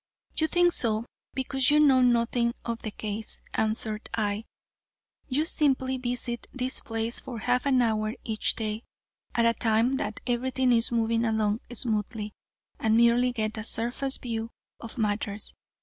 "You think so because you know nothing of the case," answered I. "You simply visit this place for a half hour each day, at a time that everything is moving along smoothly, and merely get a surface view of matters.